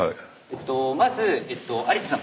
まず有田さん